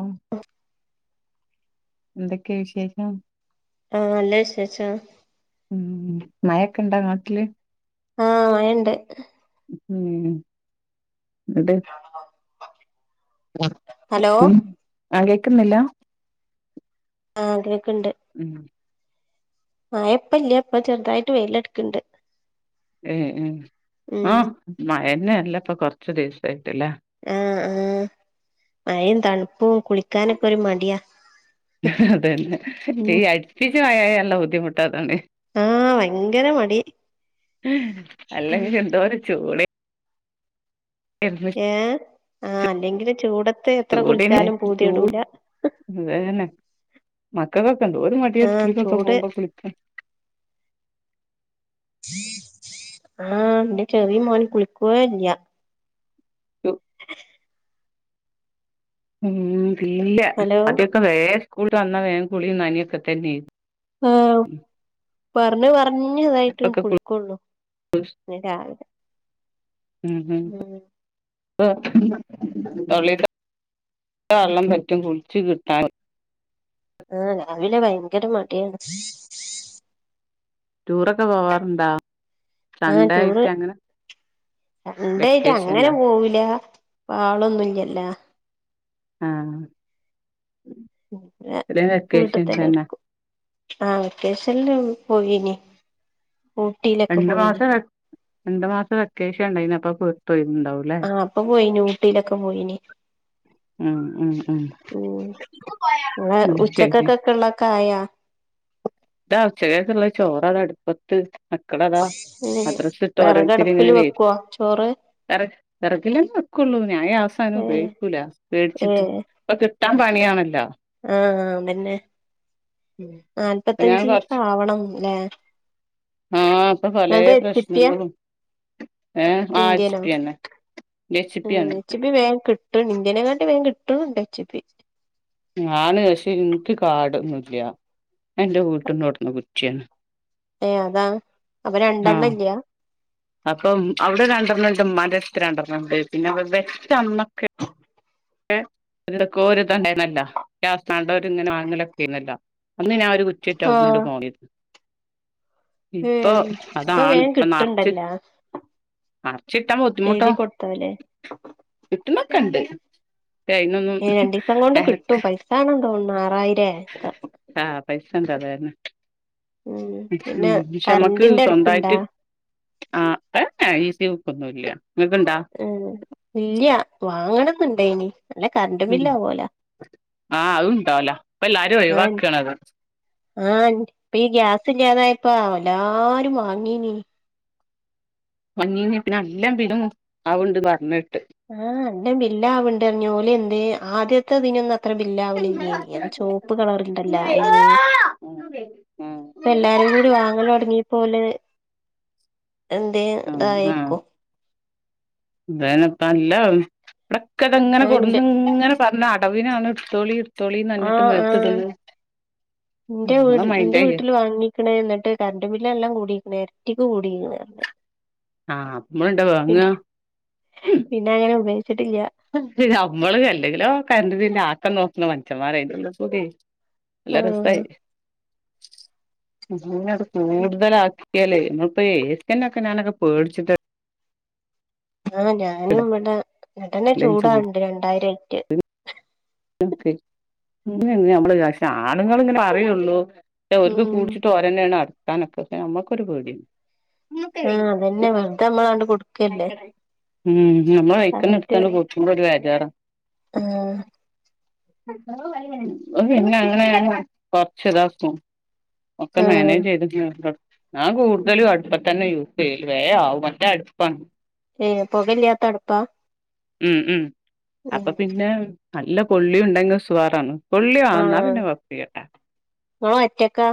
ആ.. എന്തൊക്കെയ വിശേഷം ആഹ് നല്ല വിഷേശം ഉം മയൊക്കെ ഇണ്ടാ നാട്ടില് ആഹ് മഴയുണ്ട് ഉം ഉം ന്നട്ട് [inaudible] ആ ഹലോ ഉ ആ കേൾക്കുന്നില്ല ആ ആഗ്രഹൊക്കെ ഉണ്ട് ഉം മയപ്പല്ല അപ്പൊ ചെറുതായിട്ട് വെയില എടുക്കണ്ട് ഏ ഏ ആ ഉം മയന്ന അല്ല ഇപ്പൊ കൊറച്ചു ദിവസായിട്ട് ല്ലേ ആഹ് ആഹ്മഴയും തണുപ്പും കുളിക്കാനൊക്കെ ഒരു മടിയാ അതന്നെ ഉം ഈ അടുപ്പിച്ചു മയ യാല്ലെബുദ്ധിമുട്ട് അതാണ് ആഹ് ഭയങ്കര മടി ഹ് ഉം അല്ലെങ്കിഎന്തോര ചൂട് ഏഹ് ആ അല്ലെങ്കില് ചൂടത്ത് എത്ര കുളിച്ചാലും പൂതി കെടൂല അത തന്നെ മക്കൾക്കൊക്കെ എന്തോര് മടിയാ ആഹ് സ്ക്കൂൾ കൊക്കെ ചൂട് പോകുമ്പോ കുളിക്കാൻ ആഹ് എന്റെ ചെറിയ മോൻ കുളിക്കു വേ ഇല്ല ചു- ഉം ഇല്ല ഹലോ അതൊക്കെ വേം സ്കൂൾട്ട് വന്ന വേ കുളിയും നനയൊക്കെ തന്നെയ ആ പറഞ്ഞ് പറഞ്ഞ് ഇതായിട്ട് ഇപ്പൊക്കെ കുളി- കൊളിക്കുള്ളൂ പി രാവിലെ ഉം ഉം [inaudible] വെള്ളം പറ്റും കുളിച്ച് കിട്ടാൻ ആഹ് രാവിലെ ഭയങ്കര മടിയാണ് ടൂറൊക്കെ പോവാറുണ്ടോ ആഹ് സൺഡേ ടൂറ് ആയിട്ട് അങ്ങനെ അ ണ്ടായിറ്റ് വെക്കേഷൻല്ല അങ്ങനെ പോവൂല ആളൊന്നുല്ല്യല്ലാ? ആഹ് [unintelligible] പിന്നെ വെക്കേഷൻ തന്നെ ആഹ് വെക്കേഷല്ല് പോയിനി. ഊട്ടിയിലൊക്കെ രണ്ട് മാസ പോയിനി രണ്ട് മാസ വെക്കേഷ ണ്ടായിനപ്പ പോര്തോയിണ്ടാവു ആഹ് അപ്പൊ പോയീനു ഊട്ടിലൊക്കെ പോയീനി. ഉം ഉം ഉം ഉം ങ്‌ളെ ഉം ശരി ഉച്ചക്കൊക്കൊക്കെ ള്ളക്കായാ? താ ഉച്ചക്കേക്ക്ള്ള ചോറത അട്പ്പ മക്കളതാ മദ്രസ ട്ട് ഓരോര്ത്തര് വിറകടുപ്പിൽ ങ്ങനെ വെര് വെക്കുവോ ചോറ് വെറക് വെറകിലെന്നെ വക്കുള്ളൂ ഞാന് ഗ്യാസങ്ങനെ ഏ ഉബയോഗിക്കൂല ഏ പേടിച്ചിട്ട്. ഇപ്പൊ കിട്ടാൻ പണിയാണല്ലോ. ആഹ് ബെന്നെ അപ്പൊ ഞാൻ നാല്പത്തഞ്ചീസം കൊറച്ച് ആവണംല്ലേ? ആഹ് പ്പൊ പലേ പ്രശ്നങ്ങളും ഏ ആഹ് എച് ഇന്ത്യനോ പി അന്നെ എച് പി യാണ് വേ ക് ട്ട് ഇന്ത്യനേക്കാട്ടിം വേഗം കിട്ടുന്നുണ്ട് എച് പി. ആണ് ഷെ ഇൻക്ക് കാടോന്നുല്ല്യ ന്റെ വീട്ടിന്നോടന്ന് കുറ്റ്യാണ് ഏ അതാ അപ്പ ആഹ് രണ്ടെണ്ണല്ല്യാ? അപ്പം അവ്ടെ രണ്ടെണ്ണം ണ്ട് മ്മാന്റെടുത്ത് രണ്ടെണ്ണം ണ്ട് പിന്നെ [unintelligible] അമ്മക്ക് ന്തകോര് താണെനെല്ല [unintelligible] കണ്ടോര് ഇങ്ങനെ വാങ്ങലൊക്കെ നെല്ലോ.. അന്ന് ഞാ ഒര് കുറ്റിട്ട് ആ അവ്ട്ന്നോട്ട് പോന്നേണ് ഇപ്പൊ ഉം ഇപ്പൊ അതാണ് വേഗം പ്പൊ നറ്ച്ച് കിട്ടണ്ടല്ലോ മറ്ച്ചിട്ടാ എഴുതി ബുദ്ധിമുട്ടാവും കൊടുത്താലേ കിട്ടുന്നക്കേണ്ട്. കൈന്നൊന്നും എനക്ക് അതാണെന്ന് തോന്നുണു ആറായിരെക്കെ ആഹ് പൈസ ണ്ട് അതാര്ന്ന് ഉം പിന്നെ ബിഷെമ്മക്ക് കറന്റിന്റെ അടുപ്പുണ്ടാ സ്വന്തായ്റ്റ് ആഹ് എ ഏഹ് ഈസി ഹുക്കൊന്നൂല്ല ങ്ങക്ണ്ടാ? ഉം ഇല്ല്യ വാങ്ങണംന്ന്ണ്ടേയ്നി. ഉ ആഹ അതണ്ടാവല അപ്പല്ലരും ഒഴിവാക്കണത്. ആഹ് ഇപ്പ ഈ ഗ്യാസില്യാതായപ്പ എല്ലാരും വാങ്ങീനി. മഞ്ഞീന്ന് പിന്നെ അല്ലെ പിതു ആവ്ണ്ട് പർഞ്ഞെട്ട്. ആഹ് എല്ലാം ബില്ലാവ്ണ്ട്റിഞ്ഞോല് ന്തേ ആദ്യത്തെ ഇതിനൊന്ന അത്ര ബില്ലാവലെങ്കി ചോപ്പ് കളർ ണ്ടല്ല അയിനി ഉം പ്പ എല്ലാരും കൂടി വാങ്ങല് ഒടങ്ങിപ്പോല് എന്തേ തായക്കു. ഇതനപ്പ അല്ല ഇവടെക്കെ ത്ങ്ങനെ ആ ഇണ്ട് കൊട്ന്നു ഇങ്ങനെ പർന അടവിനാണ് ട്ത്തോളി ആഹ് ആഹ് ന്റെ നമ്മളെ വീട് ന്റെ മൈൻഡായി വീട്ട്ല് വാങ്ങി ക്ണ് ന്ന്ട്ട് കര്ണ്ട് ബില്ലെല്ലാം കൂടീക്ക്ണ് എരട്ടി കൂടീക്ക്ണ്. ആഹ് മ്മൾ ണ്ടൊ വാങ്ങാ പിന്നങ്ങനെ ഉപയോച്ച്ട്ടില്ല്യ. അമ്മള് അല്ലെങ്കിലോ കര്ന്റ് ബില്ല് ആക്കം നോക്ണ മൻഷമാരെ [unintelligible] ല്ല ആഹ് രസായി [unintelligible] ന്നത് കൂടുതലാ [unintelligible] മ്മപ്പോ ഏട്ക്കെ ഞാനൊക്കെ പേട്ച്ച്ട്ട് ആഹ് ഞാനും ഇവടെ ന്ന്ട്ടെന്നെ ഈ ചൂടാണ്ട് രണ്ടായിരം ഇറ്റ് ക്കെ ങ്ങനെ ങ്ങനെ അമ്മള് പഷെ ആണ്ങ്ങള് ങ്ങനെ പറയുള്ളൂ ഒര്ക്ക് ഉം കൂടിച്ചിട്ട് തെന്നെണ് അട്ത്താനൊക്കെ [unintelligible] ഞമ്മക്കൊരു പേടി ആഹ് അതെന്നെ വെറ്തെ മ്മളാണ്ട് കൊട്ക്കല്ലേ? ഉം ഞമ്മള് വൈക്കന്ന എട്ത്താണ്ട് കൊട്കുമ്പോ ഒരു വേചാറ ആഹ് [unintelligible] പിന്നെ അങ്ങനെ [unintelligible] കൊറച്ച് ദാകും. ഒക്കെ ആഹ് മാനേജ് ചെയ്ത് ച്ച് താ ഞാൻ കൂട്തലു അടുപ്പത്തന്നെ യൂസ് ചെയ്യല്ല് വേ ആവും മറ്റേ അടുപ്പാണ് ഏഹ് പൊകല്ല്യാത്തടുപ്പാ ഉം ഉം അപ്പൊ പിന്നെ നല്ല കൊള്ളിംണ്ടെങ്കി സുവറാണ് കൊള്ളി വാണം എന്നാ ആഹ് പിന്നെ കൊയപ്പല്ലട്ടാ ഇങ്ങള് ഒറ്റക്കാ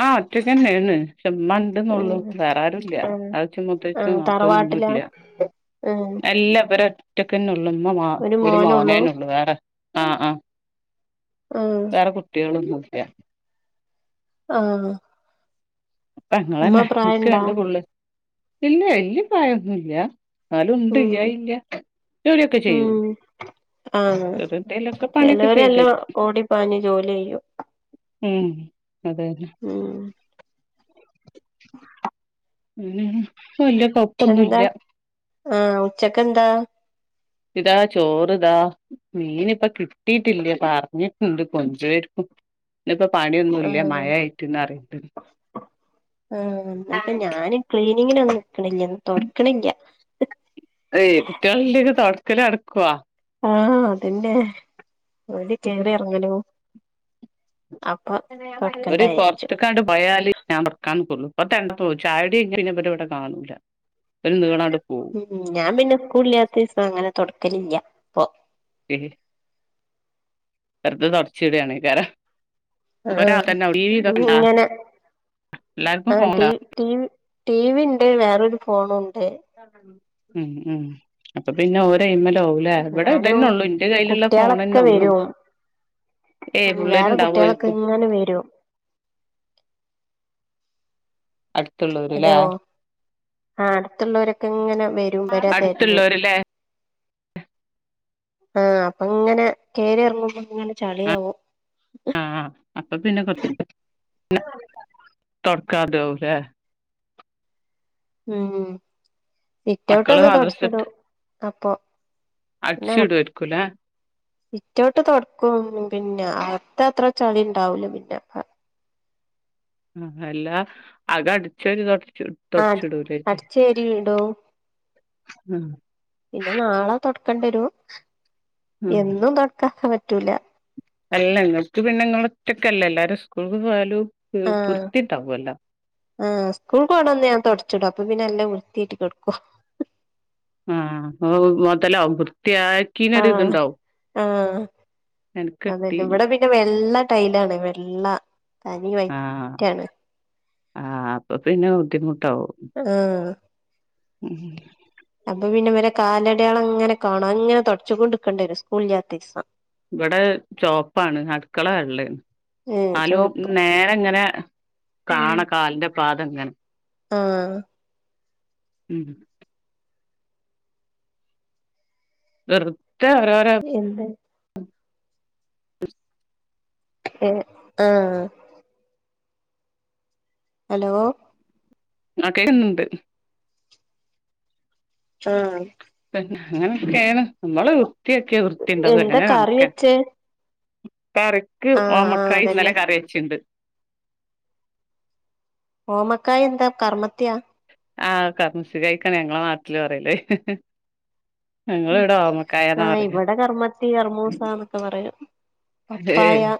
ആ ഒറ്റക്കന്നെണ് [unintelligible] ണ്ടന്നുള്ളു ഉം വേറാരും ഇല്ല്യ ആഹ് ആച്ചും മുത്തച്ചും നാത്തൂനും ഒന്നും ഇല്ല ഏ അല്ല ഇവരൊറ്റക്കന്ന ഒള്ളൂ ഇമ്മ മാ ഒരു മോനേന്നൊള്ളൂ വേറെ ആ ആ ആ വേറെ കുട്ടിയളൊന്നു ഇല്യ ആഹ് ഉമ്മ തങ്ങളന്നെ ഇക്ക് പ്രായണ്ടാ രണ്ട് പുള്ളേ ഇല്ല വല്ല്യ പ്രായൊന്നുല്ല്യ ന്നാലും ഇണ്ട് ഉം ഇല്ല്യായില്ല്യ ഉം ആ ചെറിയ എന്തേലൊക്കെ പണിയൊക്കെ ചെലോര് ചെയ്തു എല്ലം തരും ഓടി പാഞ്ഞ് ജോലി ചെയ്യും ഉം അതെ അതെ ഉം പിന്നെ ഇപ്പൊ വല്ല്യ കൊഴ് പിന്നെ ആഹ് ഉച്ചക്കെന്താ ഇതാ ചോറിതാ മീനിപ്പ കിട്ടീട്ടില്ല പറഞ്ഞിട്ടിണ്ട് കൊണ്ടരുഏര്ക്കും ഇന്ന് ഇപ്പ പണി ഒന്നും ഇല്ല ആഹ് മഴ ആയിട്ട് ന്നറിട്ടെ ആഹ് ഇന്നിപ്പ ഞാന് ക്ലീനിങ്ങിനൊന്നും നിക്കണില്ല ഇന്ന് തൊടക്കണില്ല ഏയ് കുട്ടിയളില്ലേങ്കി തൊട്ക്കല് നട്ക്കൊ ആ അതന്നെ ഓന്റെ കേറി എർങ്ങലൂ ഒര് വിചാരിച്ചു പൊർത്ത്ക് ക്കാണ്ട് പോയാല് ഞാൻ തൊടക്കാൻ നിക്കുള്ളു ഇപ്പ തേണ്ട് പോ ചായടികഴിഞ്ഞാ പിന്നെ ഇവര് ഇവിടെ കാണൂല്ല ഒര് നീളാണ്ട്ക്കു ഉം ഞാൻ പിന്നെ സ്കൂളില്ലാത്ത ദിവസം അങ്ങനെ തൊട്ക്കലില്ല ഏഹ് വെർതെ തൊടച്ചിടാണയ്ക്കാരം ആ ഇണ്ടാ ഇങ്ങനെ എല്ലാർക്കും ആ ട്ടീ ഫോണാ ടിവി ടി വി ഇണ്ട് വേറൊരു ഫോണുണ്ട് ഉം ഉം അപ്പ പിന്നെ ഓര് അയിമലാവു ലെ ഇവടെ എന്നാലും ഇതന്നെ ഒള്ളു ഇന്റെ കയ്യില്ള്ള ഫോണന്നെ കുട്ടികളൊക്കെ ഒള്ളൂ വരും ഏ ഉം വേറെ കുട്ടികളൊക്കെ പുള്ളേര്ണ്ടാവോയ്‌ര്ക്കും ഇങ്ങനെ വരും അട് ഹലോ ആ അട്ത്ത്ള്ളോരെക്കെ ഇങ്ങനെ വരും ഇവര തെര്ഞ് അടുത്തുള്ളോര്ല്ലേ ആഹ് അപ്പങ്ങനെ കേറി ഇറങ്ങുമ്പം ഇങ്ങനെ ചളിയാവും ആ അപ്പ പിന്നെ [unintelligible] തൊട്ക്കാർതാവു ലെ ഉം മക്കള് സിറ്റൗട്ടൊന്ന് മദ്രസ തൊട്ച്ച്ടും അപ്പൊ പിന്നെ അട്ച്ച് ടായിരിക്കു ലെ സിറ്റൗട്ട് തൊട്ക്കും പിന്നെ അകത്തത്ര ചളി ഇണ്ടാവൂല പിന്നെ അല്ലാ അകം അടിച്ചൊരു തൊടച്ചില് ആഹ് തൊടച്ചിടുല്ലേ അടിച്ചേരി ഇടും ഉം പിന്നെ നാളെ തൊട്ക്കണ്ടി വരു ആ എന്നും തൊട്ക്കാക്കാം പറ്റൂല അല്ല ഇങ്ങക്ക് പിന്നെ ഇങ്ങള് ഒറ്റക്കല്ലേ എല്ലാരും സ്കൂൾക്ക് പോയാലു വൃത്തിട്ടാവോല്ലോ ആ സ്കൂൾക്ക് പോണ അന്ന് ഞാൻ തൊട്ച്ചിടും അപ്പം പിന്നെ നല്ല വിർത്തീട്ട് കെട്ക്കും ആ ഒ ഓ മൊതലാവും വൃത്തി ആയി കീനര് ആഹ് ഇതുണ്ടാവും എൻകിട്ടീനി ന്റെ വെള്ള ടൈലാണ് വെള്ള തനി ആഹ് വൈറ്റാണ് ആഹ് അപ്പൊ പിന്നെ ബുദ്ധിമുട്ടാവും ആഹ് ഉം അപ്പൊ പിന്നെ ഇവരെ കാലടയാളങ്ങനെ കാണും അത്ങ്ങനെ തൊട്ച്ച് കൊണ്ടുക്കെണ്ട്യെരും സ്കൂളില്ലാത്തീസം വടെ ചോപ്പാണ് അട്ക്കള വെള്ളേണ് ഏഹ് ന്നാലും ചോപ്പ് നേരെ ഇങ്ങനെ കാണാ കാൽന്റെ പാദംങ്ങൻ ആഹ് ഉം വെർതെ ഓരോരം എന്ത് [inaudible] ഏ ആഹ് അലോ ആക്കെൺണ്ട് ആഹ് പിന്നെ അങ്ങനൊക്കേണ് അമ്മള് വൃത്തിയാക്ക്യാ വൃ എന്താ കറി [unintelligible] വെച്ചേ കറിക്ക് ആഹ് ആഹ് ഓമ്മക്കായ് ഇന്നലെ അതന്നെ കറി വെച്ചിണ്ട് ഓമക്കായന്താ കർമ്മത്ത്യാ ആഹ് കർമൂസക്കായ്ക്കാണ് ഞങ്ങളെ നാട്ട്ല് പറയല് ഞങ്ങള്‌വടെ ഓമക്കായാന്നാ പറ്യാ കർമൂസാന്നൊക്കെ പറയും പപ്പായാ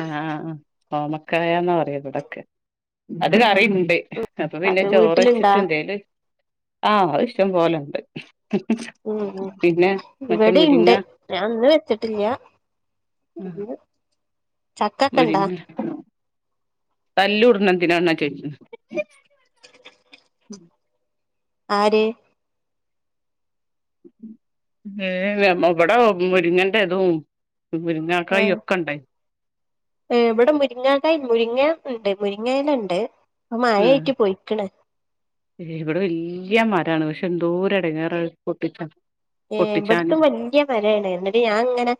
ആഹ് ഓമക്കായാന്ന് പറയാ വ്ടൊക്കെ അത് കറിണ്ട് അപ്പൊ പിന്നെ അത് വീട്ടിലുണ്ടാ ചോറയ്ച്ചിട്ടെന്തേല് ആ ഇങ്ങളെഇഷ്ട്ടം പോലെണ്ട് ഉം ഉം പിന്നെ മറ്റേ മുരിങ്ങ ഇവിടിണ്ട് ഞാൻ ഇന്ന് വെച്ചിട്ടില്യ ഉ മുരിങ്ങ തല്ല്കൂട്ണെ എന്തിനാന്നാ ചോയ്ച്ച്ണ് ആര് ഏഹ് ഞമ ബ്ടെ മുരിങ്ങന്റെതും മുരിങ്ങാക്കായ് ഒക്കെണ്ടായ് ഏഹ് വ്ടെ മുരിങ്ങാക്കായ് മുരിങ്ങാ ഇണ്ട് മുരിങ്ങയിലണ്ട് അത് മയായ്ട്ട് പൊയ്ക്ക്ണ് ര്യാ ഇവടെ വല്ല്യ മരാണ് പക്ഷെ എന്തോര് എടെങ്ങേറത് പൊട്ടിച്ച ഏഹ് ഇബട്ത്തും വല്യ മരായ്ണ് ന്നട്ട് ഞാൻങ്ങനെ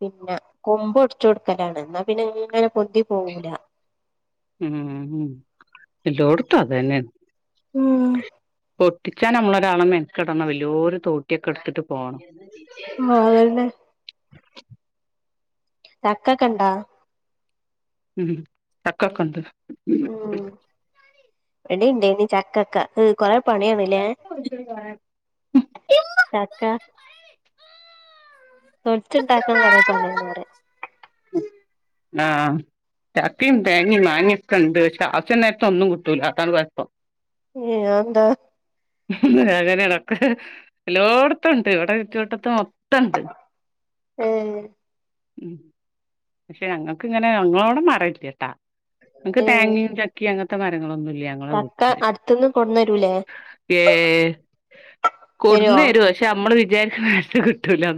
പിന്നെ കൊമ്പ് ഒടിച്ചു കൊടുക്കലാണ് ന്നാ പിന്നെങ്ങനെ പൊന്തി പോവൂല ഉം ഉം എല്ലോട്ത്തുഅതന്നെ ഉം പൊട്ടിച്ചാനമ്മളൊരാള് മെൻക്കെടണം വല്യോര് തോട്ട്യൊക്കെട്ത്ത്ട്ട് പോണം ആഹ് അതന്നെ ചക്കക്കെണ്ടാ ഉം ചക്കാെക്കെണ്ട് ഉം വ്‌ടിം ണ്ടായ്നി ചക്കാെക്കെ കൊറേ പണ്യാണ്ലേ [unintelligible] ചക്ക തോൽച്ച്ണ്ടാക്കാൻ കൊറെ പണിയാണ് അറ്യ ആഹ് ചക്കിം തേങ്ങിം മാങ്ങ്യക്കെണ്ട് ക്ഷേ ആവിശ്യനേരത്ത് ഒന്നും കുട്ടൂലാ അതാണ് കൊയപ്പം ഏയ് അത് എന്താ [unintelligible] ഒക്കെ എല്ലോട് ത്തുണ്ട് ഇവടെക്കെ ചുറ്റുവട്ടത്ത് മൊ ത്തണ്ട് ഏ ഉം പക്ഷെ ഞങ്ങക്ക്ങ്ങനെ ഞങ്ങളോടെ മരല്യട്ടാ ൻക്ക് ഏ തേങ്ങിം ചക്കി അങ്ങൻത്തെ മരങ്ങളൊന്നുല്യ ങ്ങളെ ചക്ക വീട്ട്ല് അടുത്തുന്ന് കൊണ്ടന്നരൂലേ ഏഹ് തരുവോ കൊട്ന്നെരോ ക്ഷെ മ്മള് വിചാരിക്ക്ണ മാരിക്ക്കിട്ടൂലാ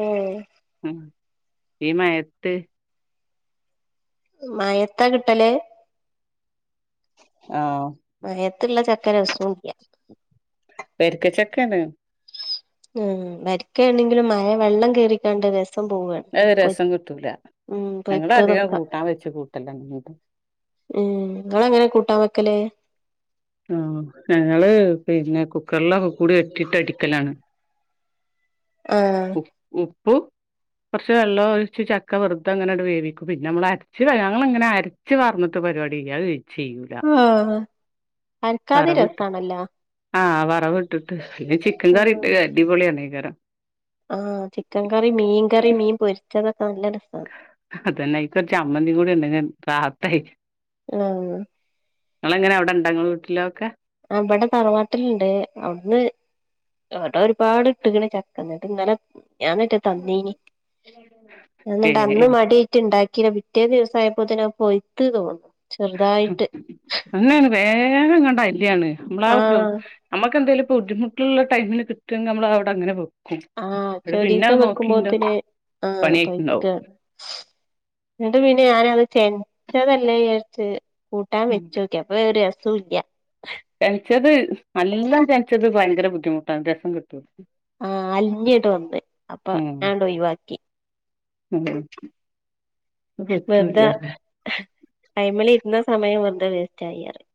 ഏ ഈ മഴയത്ത് മയേത്താ കിട്ടല് ആഹ് മഴേ ത്തുള്ള ചക്ക രസവുംല്ല വെരിക്കച്ചക്കേ ണ് ഉം വരിക്കേണെങ്കിലും മഴ വെള്ളം കേ റിക്കാണ്ട് രസം പോവാണ്. അത് പൊയ് രസം കിട്ടൂല ഉം ഞങ്ങളധികം പൊയ്ത്തതൊക്കെ കൂട്ടാൻ വെച്ച് കൂട്ടലാണ്. ഉം ങ്ങളെങ്ങനെ കൂട്ടാൻ വെക്കല് ആഹ് ഞങ്ങള് പിന്നെ കുക്കറിലൊക്കെകൂടി ഇട്ടിട്ട് അടിക്കലാണ്. [unintelligible] ആഹ് [unintelligible] കൊറച്ച് വെള്ളം ഒഴിച്ച് ചക്ക വെറുതെ അങ്ങനെട് വേവിക്കും പിന്നെ നമ്മള് അരച്ച് ഞങ്ങ ങ്ങനെ അര റ്റ് വാ ർന്നിട്ട് പരിപാടില്ലേ അത് ചെയ്യൂല. ആഹ് അരക്കാതെ വറവട്ട് രസാണല്ലോ ആഹ് വറവ്ട്ടിട്ട് അല്ലെങ്കി ചിക്കൻ ഉം കറിട്ട് അടിപൊളിയാണേക്കാരം. ആഹ് ചിക്കൻ കറി മീൻ കറി മീൻ പൊരിച്ചതൊക്കെ നല്ല രസാണ്. അതെന്നെ അയ്ക്ക് ഒരു ചമ്മതി കൂടെണ്ടെങ്കി റാഹത്തായി. ആഹ് ങ്ങളെങ്ങനെ അവടെണ്ടാ ഇങ്ങളെ വീട്ടില ലൊക്കെ ആഹ് ഇവടെ തറവാട്ടിലിണ്ട് അവിടുന്ന് വടെ ഒരുപാട് ഇട്ട്ക്ണ് ചക്ക ന്നിട്ട് ഇന്നലെ ഞാ ന്നിട്ട് തന്നീനി എന്നിട്ട് അന്ന് ഏഹ് മടി റ്റ് ഉണ്ടാക്കിന പിറ്റേ ദിവസായപ്പോതിന് അത് പൊയ്ത്ത് തോന്നും. അങ്ങെയാണ് വേഗങ്ങട്ട് അയ്ല്യാണ് നമ്മളാ ആഹ് [unintelligible] നമുക്കെന്തെങ്കിലും ബുദ്ധിമുട്ടുള്ള ടൈമിന് കിട്ടോങ്കി നമ്മള് അവിടങ്ങനെ പോവും ആഹ് ചൊരീസം വെക്കുമ്പോത്തിന് ആഹ് പൊയ്ക്ക. പണിയായിട്ടുണ്ടാവും ന്നിട്ട് പിന്നെ ഞാനത് തേങ്ങരച്ചതല്ലേ ചാരിച്ച് കൂട്ടാൻ ഉം വെച്ചു. ക്യപ്പൊ ഒരു രസോല്ല. ചെനച്ചത് നല്ലചെനച്ചത് ഭയങ്കര ബുദ്ധിമുട്ടാണ് രസം കിട്ടൂ ല ആഹ് അലിഞ്ഞിട്ട ന്ന് അപ്പൊ ഉം ഞാനണ്ട് ഒഴിവാക്കി. ഉം അത് പറ്റൂല വെറുതെ അയിമ്മൽ ഇരുന്ന സമയം വെറുതെ വേസ്റ്റ് ആയി പറയാ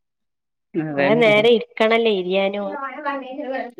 അതെ കൊറേ അതെ നേരം ഇരിക്കണല്ലേ എരിയാനും. [inaudible]